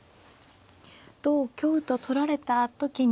同香と取られた時に。